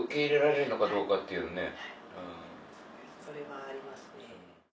それはありますね。